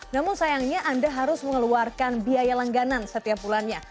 namun sayangnya anda harus mengeluarkan biaya langganan setiap bulannya